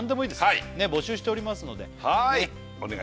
はい募集しておりますのでね